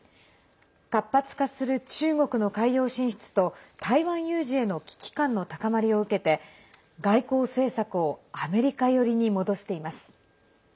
活発化する中国の海洋進出と台湾有事への危機感の高まりを受けて外交政策をアメリカ寄りに戻しています。